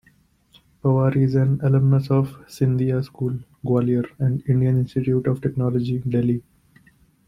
Pawar is an alumnus of Scindia School, Gwalior and Indian Institute of Technology, Delhi.